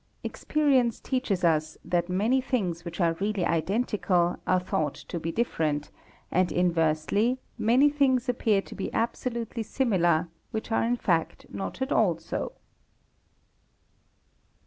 Experience teaches us that many things Which are really identical are thought to be different and inversely many things appear to be absolutely similar which are in fact not at all so.